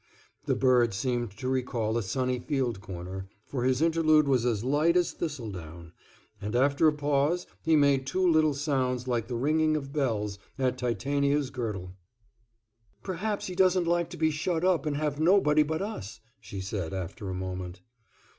The bird seemed to recall a sunny field corner, for his interlude was as light as thistledown, and after a pause he made two little sounds like the ringing of bells at Titania's girdle. "Perhaps he doesn't like to be shut up and have nobody but us," she said, after a moment.